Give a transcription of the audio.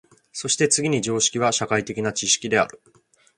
そして次に常識は社会的な知識である。